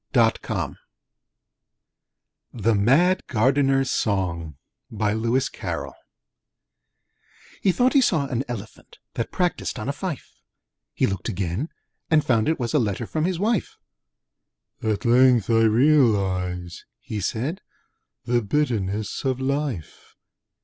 (Poem #265) The Mad Gardener's Song He thought he saw an Elephant, That practised on a fife: He looked again, and found it was A letter from his wife. 'At length I realise,' he said, The bitterness of Life!'